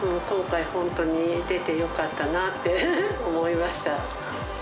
今回ホントに出てよかったなって思いました。